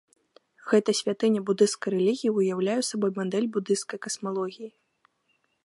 Гэта святыня будысцкай рэлігіі ўяўляе сабой мадэль будысцкай касмалогіі.